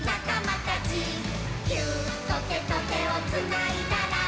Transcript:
「ギューッとてとてをつないだら」